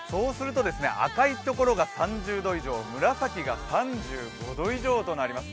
赤いところが３０度以上、紫が３５度以上となります。